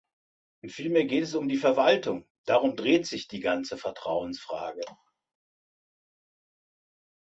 Vielmehr geht es um die Verwaltung, darum dreht sich die ganze Vertrauensfrage.